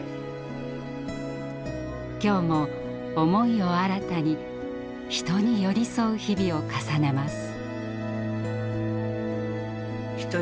今日も想いを新たに人に寄り添う日々を重ねます。